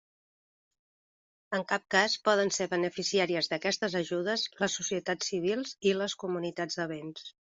En cap cas poden ser beneficiàries d'aquestes ajudes les societats civils i les comunitats de béns.